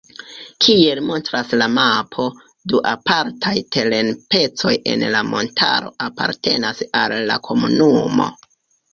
Kiel montras la mapo, du apartaj teren-pecoj en la montaro apartenas al la komunumo.